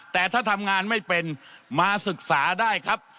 แต่ถ้าทำงานไม่เป็นมาศึกษาได้ครับ